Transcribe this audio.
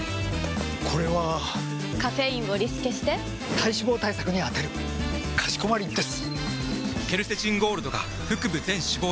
これはカフェインをリスケして体脂肪対策に充てるかしこまりです！！